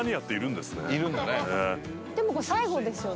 でもこれ最後ですよね？